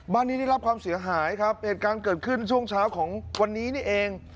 บ้านนี้ได้รับความเสียหายครับเหตุการณ์เกิดขึ้นช่วงเช้าของวันนี้นี่เอง